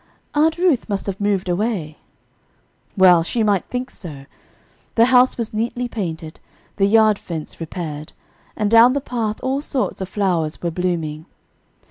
Aunt Ruth must have moved away." Well might she think so; the house was neatly painted, the yard fence repaired, and up and down the path all sorts of flowers were blooming.